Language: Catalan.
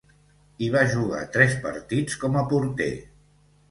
Hi va jugar tres partits com a porter.